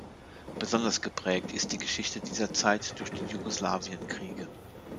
Besonders geprägt ist die Geschichte dieser Zeit durch die Jugoslawienkriege.